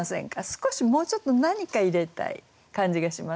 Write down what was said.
少しもうちょっと何か入れたい感じがしませんか？